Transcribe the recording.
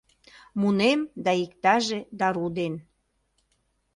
Мунем да иктаже дару ден